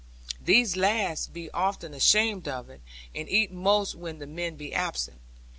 These last be often ashamed of it, and eat most when the men be absent.